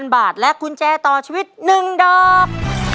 ๕๐๐๐บาทและกุญแจต่อชีวิตหนึ่งดอก